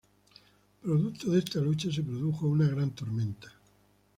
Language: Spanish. Producto de esta lucha, se produjo una gran tormenta.